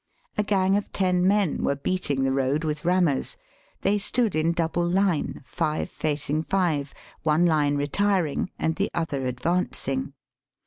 A gang of ten men were beating the road with rammers. They stood in double line, five facing five, one line retiring and the other advancing.